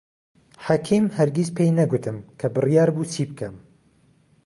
حەکیم هەرگیز پێی نەگوتم کە بڕیار بوو چی بکەم.